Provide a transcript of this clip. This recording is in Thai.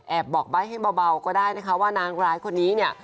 บอกใบ้ให้เบาก็ได้นะคะว่านางร้ายคนนี้เนี่ย